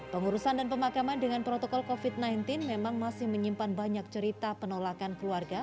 pengurusan dan pemakaman dengan protokol covid sembilan belas memang masih menyimpan banyak cerita penolakan keluarga